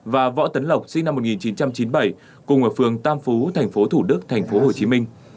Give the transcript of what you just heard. và võ tấn lộc sinh năm một nghìn chín trăm chín mươi bảy cùng ở phường tam phú tp thủ đức tp hồ chí minh